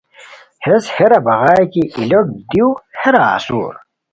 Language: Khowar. ہیس ہیرا بغائے کی ای لوٹ دیو ہیرا اسور